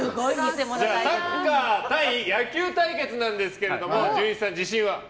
サッカー対野球対決なんですけどもじゅんいちさん、自信は？